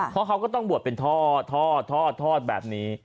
เพราะเขาก็ต้องบวชเป็นท่อแบบนี้